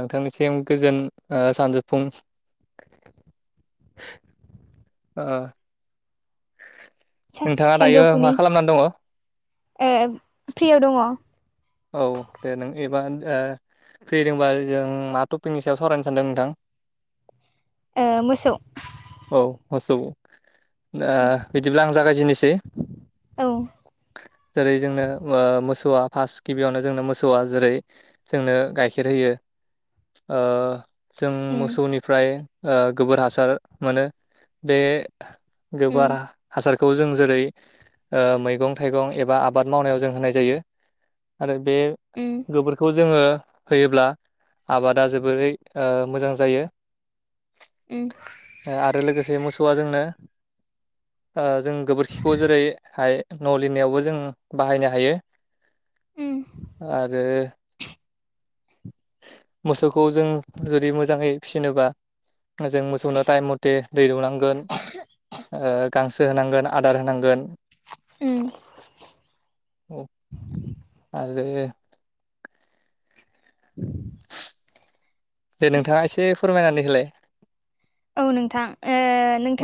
नोंथांनिसिम गोजोन सानजोफुं ओ नोंथाङा दायो मा खालामनानै दङ ए फ्रियाव दङ औ दे नों एबा फ्रिदोंबा जों मा टपिकनि सायाव सावरायनो सानदों नोंथां मोसौ औ मस बिदिब्ला आं जागायजेननोसै औ उम जेरै जोंनो मोसौआ फार्स्ट गिबियावनो जोंनो मोसौआ जेरै जोंनो गाइखेर होयो जों उम मोसौनिफ्राय गोबोर हासार मोनो बे उम गोबारा हासार खौ जों जेरै मैगं थाइगं एबा आबाद मावनायाव जों होनाय जायो आरो बे गोबोरखौ जोङो होयोब्ला आबादा जोबोरै मोजां जायो उ ओ आरो लोगोसे मोसौआ जोंनो। जों गोबोरखिखौ जेरैाय न' लिरनायावबो जों बाहायनो हायो उम आरो मोसौखौ जों जुदि मोजाङै फिसिनोबा जों मोसौनो टाइम मथे दै दौनांगोन गांसो गोसो होनांगोन आदार होनांगोन उम आरो उ दे नोंथाङा एसे फोरमायनानै होलाय औ नोंथां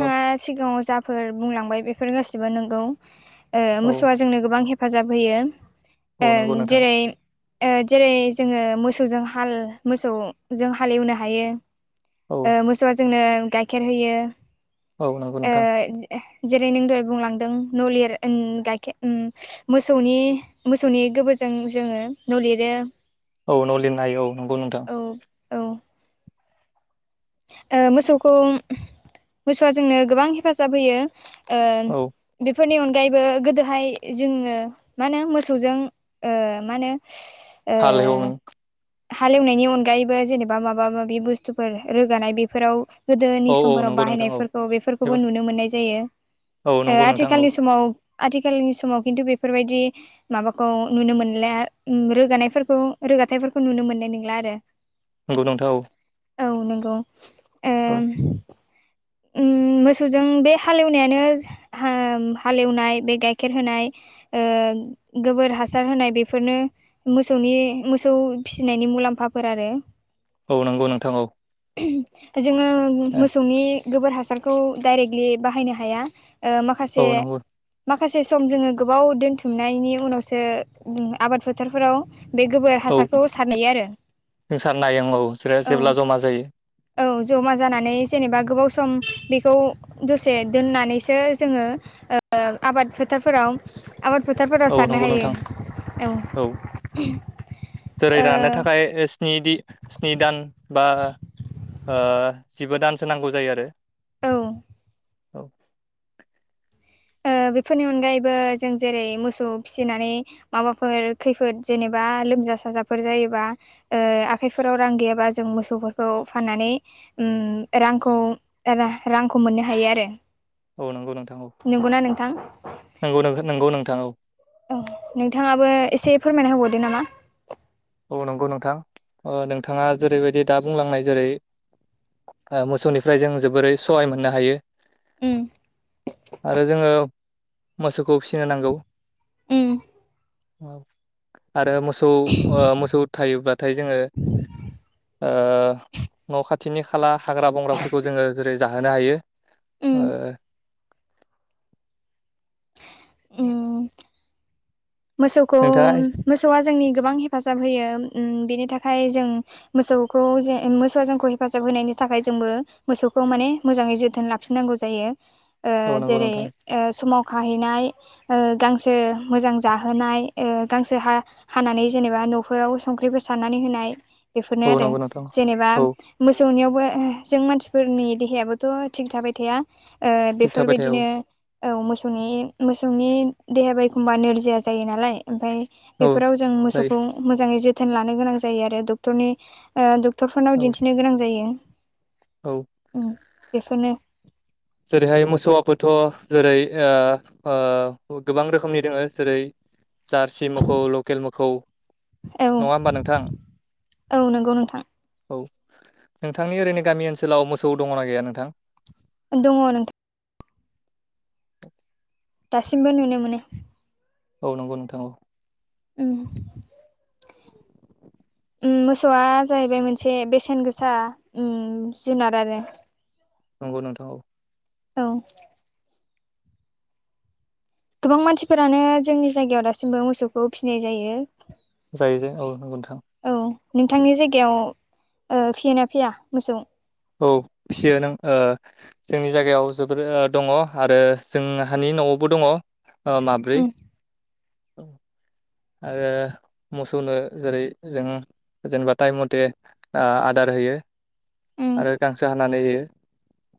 औ सिगाङाव जाफोर बुंलांबाय बेफोर गासिबो नंगौ [inaudible] मोसौआ जोंनो गोबां हेफाजाब औ होयो नंगौ नोंथां जेरै जेरै जोङो मोसौजों हाल मोसौजों हालेवनो हायो औ मोसौआ जोंनो गाइखेर होयो औ नंगौ नोंथां जेरै नों दहाय बुंलांदों नलिर गाइखेर मोसौनि मोसौनि गोबोरजों जोङो न' लिरो औ न' लिरनो हायो औ नंगौ नोंथां औ औ मोसौखौ मोसौआ जोंनो गोबां हेफाजाब होयो औ बेफोरनि अनगायैबो गोदोहाय जोङो मा होनो मोसौजों म होनो ओ हाल हमोन हालेवनायनि अनगायैबो जेनेबा माबा माबि बुस्थुफोर रोगानाय बेफोराव गोदोनि औ औ समफोराव नंगौ नोंथां बाहायनायफोरखौ औ बेफोरखौबो नुनो मोननाय जायो औ नंगौ नोंथां औ आथिखालनि समाव आथिखालनि समाव खिन्थु बेफोरबायदि माबाखौ नुनो मोनला रोगानायफोरखौ रोगाथायाइफोरखौ नुनो मोननाय नंला आरो नंगौ नंथाव औ नंगौ मोसौजों बे हालेवनायानो हालेवनाय बे गाइखेर होनाय गोबोर हासार होनाय बेफोरनो मोसौनि मोसौ फिसिनायनि मुलाम्फाफोर आरो औ नंगौ नोंथां औ जोङो ए मोसौनि गोबोर हासारखौ डाइरेक्टलि बाहायनो हाया औ माखासे नंगौ माखासे सम जोङो गोबाव दोनथुमनायनि उनावसो आबाद डक्टरफोराव बे गोबोर औ हासारखौ सारनाययो आरो जों सार नायं औ बिसोरो औ जेब्ला जमा जायो औ ज'मा जानानै जेनेबा गोबाव सम सम बेखौ दसे दोननानैसो जोङो ओ आबाद फोथारफोराव आबाद फोथारफोराव औ सारनो नंगौ नोंथां हायो औ जेरै रानो थाखाय स्नि दि स्नि दान बा ओ जिबा दानसो नांगौ जायो आरो औ औ ओ बेफोरनि अनगायैबो जों जेरै मोसौ फिसिनानै माबाफोर खैफोद जेनेबा लोमजा साजाफोर जायोबा ए आखाइफोराव रां गैयाबा जों मोसौफोरखौ फाननानै उम रांखौ रांखौ मोननो हायो आरो औ नंगौ नोंथां औ नंगौना नोंथां? नोंगौ नोंहो नोंगौ नोंथां औ औ नोंथाङाबो एसे फोरमायना होबावदो नामा? औ नंगौ नोंथां ओ नोंथाङा जेरैबायदि दा बुंलांनाय जेरै मोसौनिफ्राय जों जोबोरै सहाय मोननो हायो उम आरो जोङो मोसौखौ फिसिनो नांगौ उम आरो मोसौ ओ मोसौ थायोब्लाथाय जोङो ओ न' खाथिनि खाला हाग्रा बंग्राफोरखौ जोङो जेरै जाहोनो हायो ओ उम [unintelligible] उम मोसौखौ नोंथाङा एस मोसौआ जोंनि गोबां हेफाजाब होयो उम बेनि थाखाय जों मोसौखौ जे उम मोसौआ जोंखौ हेफाजाब होनायनि थाखाय जोंबो मोसौखौ माने मोजाङै जोथोन ला -खिनांगौ जायो ओ औ नंगौ जेरै नोंथां ओ समाव खाहैनाय ओ गांसो मोजां जाहोनाय ओ गांसो हा हानानै जेनेबा न'फोराव संख्रिफोर सारनानै होनाय बेफोरनो औ आरो नंगौ नोंथां जेनेबा औ मोसौनियावबो जों मानसिफोरनि देहायाबोथ' थिग थाबाय थाया ओ थिग थाबाय थाया औ बेफोरबायदिनो औ मोसौनि मोसौनि देहायाबो एखमबा नोरजिया जायो नालाय ओमफ्राय औ बेफोराव जों जायो मोसौखौ मोजाङै जोथोन लानो गोनां जायो आरो डक्टरनि ओ डक्टरफोरनाव औ दिन्थिनो गोनां जायो औ उम बेफोरनो जेरैहाय मोसौआबोथ' जेरै ओ ओ गोबां रोखोमनि दोङो जेरै जारसि मोखौ लकेल मोखौ औ नङा होमबा नोंथां औ नंगौ नोंथां औ नोंथांनि ओरैनो गामि ओनसोलाव मोसौ दङना गैया नोंथां? दङ' नोंथां दासिमबो नुनो मोनो औ नंगौ नोंथां औ उम मोसौआ जाहैबाय मोनसे बेसेन गोसा उम जुनार आरो नंगौ नोंथां औ औ गोबां मानसिफोरानो जोंनि जायगायाव दासिमबो मोसौखौ फिसिनाय जायो जायोजे औ नंगौ नोंथां औ नोंथांनि जायगायाव ओ फियोना फैया मोसौ औ फिसियो नों ओ जोंनि जायगायाव जोबोर ओ दङ आरो जोंहानि न'आवबो दङ' ओ माब्रै उम आरो मोसौनो जेरै जों। जेनेबा टाइम मथे ओ आदार होयो। उम आरो गांसो हानानै होयो।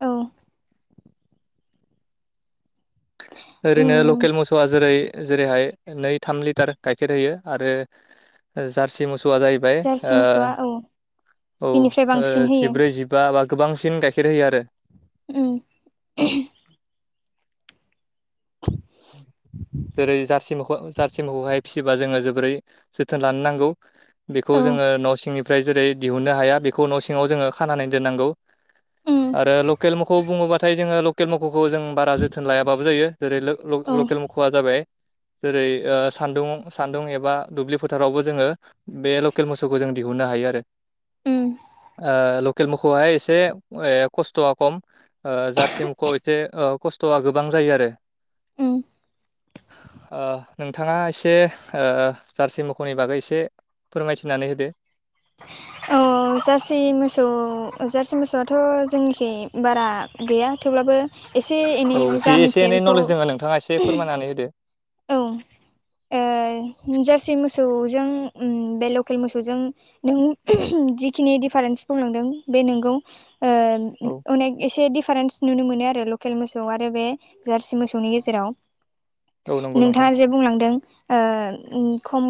औ। ओरैनो उम लकेल मोसौआ जेरै जेरैहाय। नै थाम लिटार गाइखेर होयो आरो जारसि मोसौआ जाय फ्राय जारसि ओ मोसौआ औ औ बिनिफ्राय ओ बांसिन होयो जिब्रै जिबा बा गोबांसिन गाइखेर होयो आरो। उम। औ जेरै जारसि मख जारसि मखौहाय फिसिबा जोङो जोबोरै जोथोन लानो नांगौ बेखौ औ जोङो न' सिंनि। फ्राय जेरै दिहुननो हाया बेखौ न' सिङाव जोङो खानानै दोननांगौ। उम आरो लकेल मोखौ बुङोबाथाय। जोङो लकेल मोखौखौ जों बारा जोथोन लायाबाबो जायो जेरै लोक औ ल लकेल मोख'वआ जाबाय। जेरै ओ सान्दुं सान्दुं एबा दुब्लि फोथारावबो जोङो। बे लकेल मोसौखौ जों दिहुननो हायो आरो उम ओ लक खेल मोखौआहाय एसे ए खस्थ'आ खम। ओ जारसि मुखौ एथे ओ खस्थ'आ गोबां जायो आरो। उम ओ नोंथाङा एसे ओ जार्सि मोखौनि बागै एसे। फोरमायथिनानै होदो। औ। औ जारसि मोसौ जारसि मोसौआथ' जोंनिखि बारा गैया थेवब्लाबो। एसे औ एनै जि जा एसे मिथिया एनै बेखौ। नलेज दोङो नोंथाङा एसे फोरमायनानै होदो औ ओ जार्सि मोसौजों बे लकेल मोसौजों। नों जिखिनि दिफारेन्सखौ नुदों बे नोंगौ। ओ औ अनेक एसे दिफारेन्स। नुनो मोनो आरो लकेल मोसौ आरो बे जार्सि मोसौनि गेजेराव। औ नंगौ नोंथां नोंथाङा जे बुंलांदों। ओ उम खम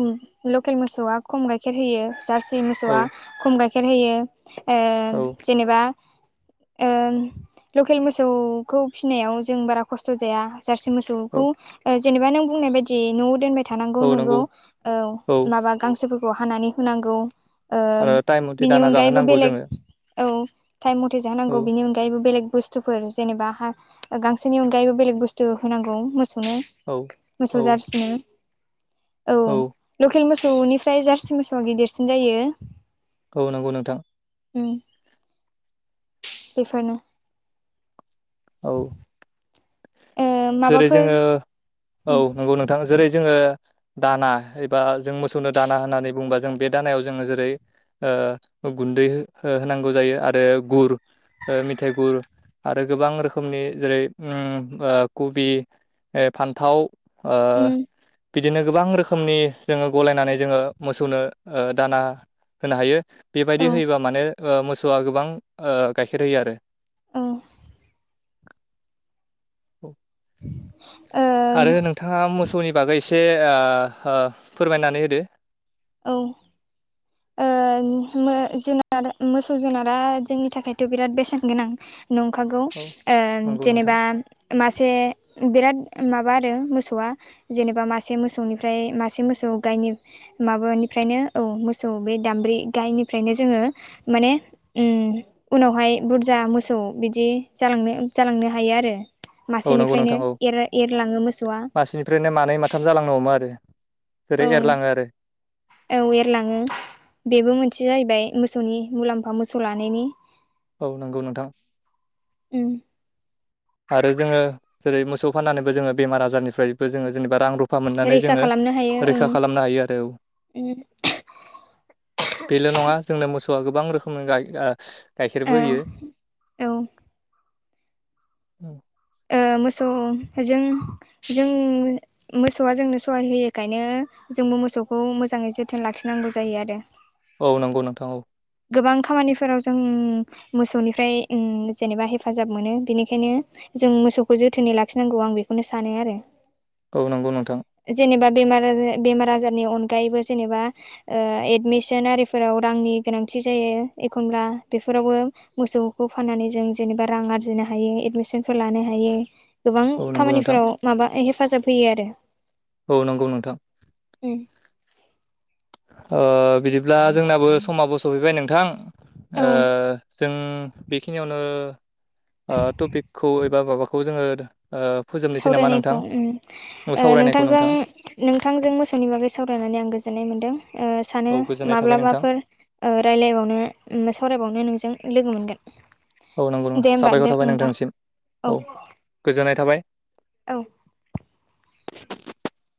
लकेल मोसौआ खम गाइखेर होयो जार्सि औ मोसौआ। खम गाइखेर होयो ओ औ जेनेबा। ओम लकेल मोसौ खौ फिसिनायाव जों बारा खस्थ' जाया। जारसि मोसौखौ औ ओ जेनेबा नों बुंनाय बायदि न'आव दोनबाय। थानांगौ औ नोंगौ नंगौ औ माबा गांसोफोरखौ हानानै होनांगौ। ओम आरो टाइम मथे बिनि दाना अनगायैबो जाहोनांगौ बेलेग जोङो औ थाइम मथे औ जाहोनांगौ बिनि अनग गायैबो बेलेग बुस्थुफोर जेनेबा हा गांसोनि अनगायैबो बेलेग बुस्थु होनांगौ मोसौनो। औ मोसौ औ जारसिनो औ लकेल मोसौनिफ्राय जारसि मोसौ। स' गिदिरसिन जायो। औ नंगौ नोंथां। उम बेफोरनो। औ। ओ जेरै माबाफोर जोङो औ उम नंगौ नोंथां जेरै जोङो। दाना एबा जों मोसौनो दाना होननानै बुङबा जों बे दानायाव जोङो जेरै। ओ गुन्दै हो होनांगौ जायो आरो गुर। ओ मिथाइ गुर आरो गोबां रोखोमनि जेरै उम ओ। कुबि ओ फान्थाव ओ उम बिदिनो गोबां रोखोमनि। जोङो गलायनानै जोङो मोसौनो ओ दाना होनो हायो। बेबायदि औ होयोबा माने ओ मोसौआ गोबां ओ गाइखेर होयो आरो। औ औ। [inaudible] आरो नोंथाङा मोसौनि बागै एसे ओ ओ फोरमायनानै होदो। औ। ओ जुनार मोसौ जुनारा जोंनि थाखायथ' बिराद बेसेन गोनां नंखागौ औ नंगौ नोंथां जेनेबा मासे बिराद माबा आरो मोसौआ जेनेबा मासे मोसौनिफ्राय मासे मोसौ गायनि माबानिफ्रायनो औ मोसौ बे दामब्रि गायनिफ्रायनो जोङो माने उनावहाय बुरजा मोसौ बिदि जालांनो जालांनो हायो आरो औ नंगौ मासेनिफ्रायनो एरलाङो मोसौआ बिनिफ्रायनो मानै माथाम जालांनो हमो आरो औ जेरै एरलाङो आरो औ एरलाङो बेबो मोनसे जाहैबाय मोसौनि मुलाम्फा मोसौ लानायनि औ नंगौ नोंथां। उम आरो जोङो जेरै मोसौ फाननानैबो जोङो बेमार आजारनिफ्रायबो जोङो जेनेबा रां रुफ फा मोननानै रैखा जोङो खालामनो हायो रैखा ओं खालामनो हायो आरो औ। बेल' नङा जोंनो मोसौआ गोबां रोखोमनि गाय औ गाइखेरबो होयो औ औ मोसौ जों जों मोसौआ जोंनो सहाय होयखायनो जोंबो मोसौखौ मोजाङै जोथोन लाखिनांगौ जायो आरो। औ नंगौ नोंथां औ गोबां खामानिफोराव जों मोसौनिफ्राय जेनेबा हेफाजाब मोनो बेनिखायनो जों मोसौखौ जोथोनै लाखिनांगौ आं बेखौनो सानो आरो। औ नंगौ नोंथां। जेनेबा बेमार आजार बेमार आजारनि अनगायैबो जेनेबा एडमिसन आरिफोराव रांनि गोनांथि जायो एखनब्ला बेफोरावबो मोसौखौ फाननानै जों जेनेबा रां आरजिनो हायो एडमिसनफोर लानो हायो। गोबां औ नंगौ नोंथां खामानिफोराव माबा हेफाजाब होयो आरो। औ नंगौ नोंथां। उम बिदिब्ला जोंनाबो समाबो सफैबाय नोंथां औ जों बेखिनियावनो टपिकखौ एबा माबाखौ जोङो फोजोबनोसै नामा नोंथां सावरायनायखौ उम सावरायनायखौ नोंथांजों नोंथां नोंथांजों मोसौनि बागै सावरायनानै आं गोजोननाय मोन्दों सानो औ गोजोननाय थाबाय नोंथां माब्लाबाफोर रायज्लायबावनो सावरायबावनो नोंजों लोगो मोनगोन। औ नंगौ दे नोंथां होमबा साबायखर थाबाय नोंथां नोंथांसिम औ गोजोननाय थाबाय। औ